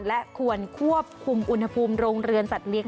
และควรควบคุมอุณหภูมิโรงเรือนสัตเลี้ย